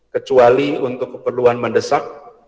kecuali untuk keperluan mendesak